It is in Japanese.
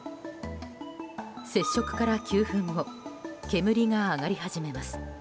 接触から９分後煙が上がり始めます。